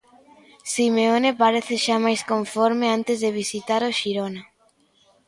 Simeone parece xa máis conforme antes de visitar o Xirona.